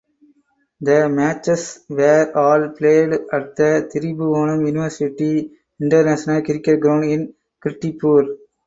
The matches were all played at the Tribhuvan University International Cricket Ground in Kirtipur.